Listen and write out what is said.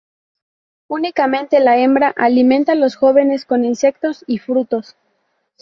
Únicamente la hembra alimenta los jóvenes con insectos y frutos.